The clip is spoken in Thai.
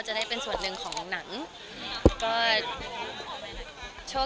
อ๋อมันเป็นเรื่องปกติค่ะหนูชินแล้ว